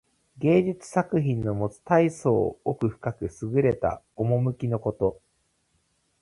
芸術作品のもつたいそう奥深くすぐれた趣のこと。